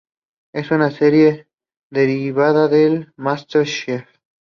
Es una serie derivada de "MasterChef".